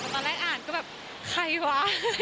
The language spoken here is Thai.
ตอนแรกอ่านก็แบบใครวะ